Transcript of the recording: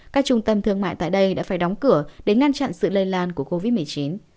các trung tâm thương mại tại đây đã phải đóng cửa để ngăn chặn sự lây lan của covid một mươi chín